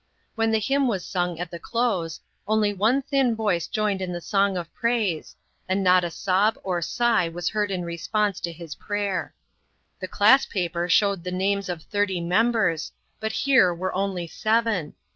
When the hymn was sung at the close, only one thin voice joined in the song of praise, and not a sob or sigh was heard in response to his prayer. The class paper showed the names of thirty members, but here were only seven!